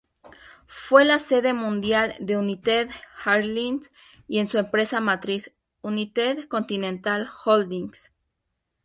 Fue la sede mundial de United Airlines y su empresa matriz, United Continental Holdings.